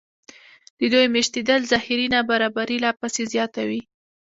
د دوی مېشتېدل ظاهري نابرابري لا پسې زیاتوي